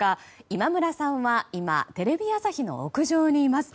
今村さんは今、テレビ朝日の屋上にいます。